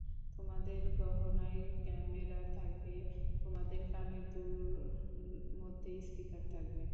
তোমাদের গহনায় ক্যামেরা থাকবে, তোমাদের কানের দুল মধ্যে স্পিকার থাকবে।